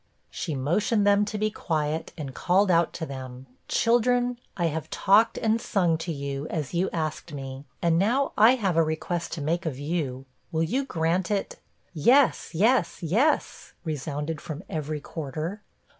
She motioned them to be quiet, and called out to them: 'Children, I have talked and sung to you, as you asked me; and now I have a request to make of you; will you grant it?' 'Yes, yes, yes,' resounded from every quarter.